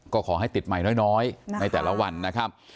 ก็ขอให้ติดใหม่น้อยในแต่ละวันนะครับ